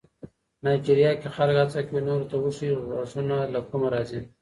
نایجیریا کې خلک هڅه کوي نورو ته وښيي غږونه له کومه راځي.